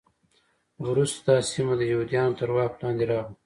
وروسته دا سیمه د یهودانو تر واک لاندې راغله.